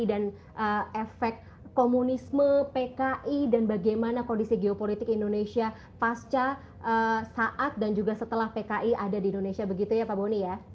dan efek komunisme pki dan bagaimana kondisi geopolitik indonesia pasca saat dan juga setelah pki ada di indonesia begitu ya pak boni ya